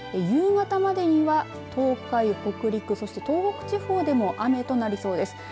夕方までには東海、北陸そして東北地方でも雨となりそうです。